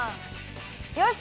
よし！